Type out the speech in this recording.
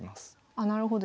あなるほど。